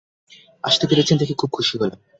আসতে পেরেছেন দেখে খুব খুশি হলাম।